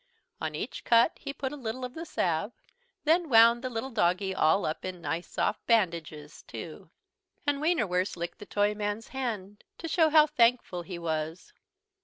On each cut he put a little of the salve, then wound the little doggie all up in nice soft bandages too. And Wienerwurst licked the Toyman's hand to show how thankful he was.